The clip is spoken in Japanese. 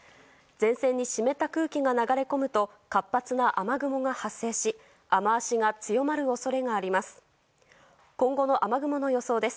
前線に湿った空気が流れ込むと活発な雨雲が発生し雨脚が強まる恐れがあります。